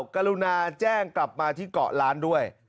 กรุณาแจ้งกลับมาที่เกาะล้านด้วย